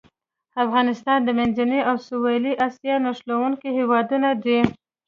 افغانستان د منځنۍ او سویلي اسیا نښلوونکی هېواد دی.